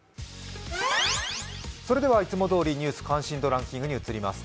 それではいつもどおり「ニュース関心度ランキング」に移ります。